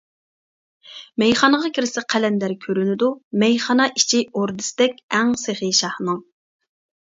مەيخانىغا كىرسە قەلەندەر كۆرۈنىدۇ مەيخانا ئىچى ئوردىسىدەك ئەڭ سېخى شاھنىڭ.